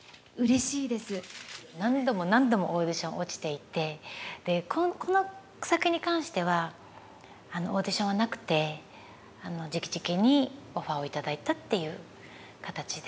何度も何度もオーディション落ちていてこの作品に関してはオーディションはなくてじきじきにオファーを頂いたっていう形で。